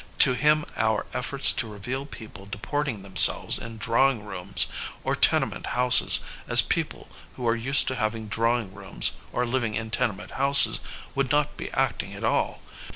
To him our efforts to reveal people deporting themselves in drawing rooms or tenement houses as people who are used to having drawing rooms or living in tenement houses would not be '* acting*^ at all.